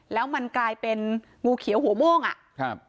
แล้วมันกลายเป็นงูเขียวหัวโม่งอ่ะครับ